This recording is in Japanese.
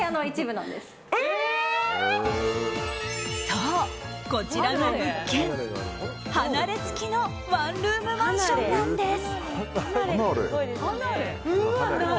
そう、こちらの物件離れ付きのワンルームマンションなんです。